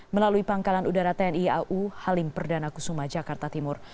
melalui pangkalan udara tni au halim perdana kusuma jakarta timur